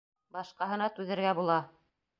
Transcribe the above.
Башҡаһына түҙергә була.